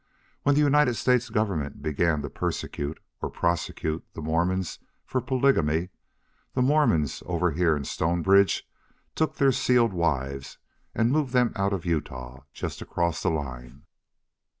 When the United States government began to persecute, or prosecute, the Mormons for polygamy, the Mormons over here in Stonebridge took their sealed wives and moved them out of Utah, just across the line.